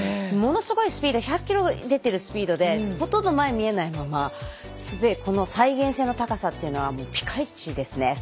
ものすごいスピードで１００キロ出ているスピードでほとんど前見えないまま再現性の高さというのはぴかいちですね。